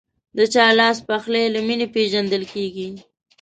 د چا لاسپخلی له مینې پیژندل کېږي.